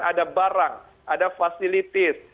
ada barang ada fasilitas